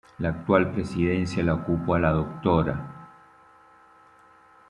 La actual presidencia la ocupa la Dra.